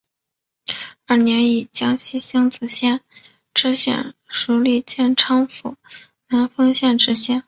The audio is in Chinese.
二年以江西星子县知县署理建昌府南丰县知县。